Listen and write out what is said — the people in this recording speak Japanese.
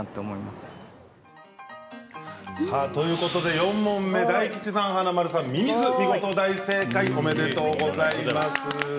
４問目大吉さん、華丸さんミミズ、見事、大正解。おめでとうございます。